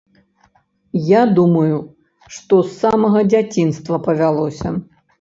Я думаю, што з самага дзяцінства павялося.